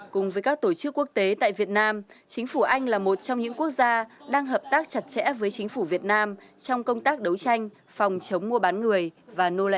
cùng với các tổ chức quốc tế tại việt nam chính phủ anh là một trong những quốc gia đang hợp tác chặt chẽ với chính phủ việt nam trong công tác đấu tranh phòng chống mua bán người và nô lệ